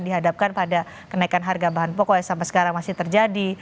dihadapkan pada kenaikan harga bahan pokok yang sampai sekarang masih terjadi